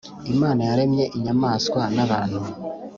Imana yaremye inyamaswa na bantu